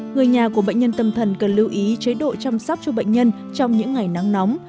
người nhà của bệnh nhân tâm thần cần lưu ý chế độ chăm sóc cho bệnh nhân trong những ngày nắng nóng